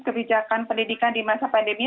kebijakan pendidikan di masa pandemi